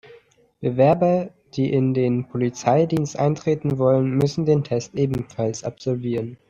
Bewerber die in den Polizeidienst eintreten wollen, müssen den Test ebenfalls absolvieren.